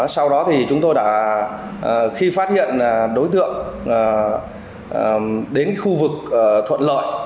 sau đó thì chúng tôi đã khi phát hiện đối tượng đến khu vực thuận lợi